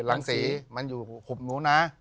รังศรีมันอยู่ขุบนู้นนะ